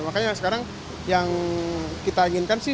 makanya sekarang yang kita inginkan sih